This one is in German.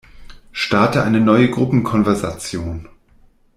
Starte eine neue Gruppenkonversation.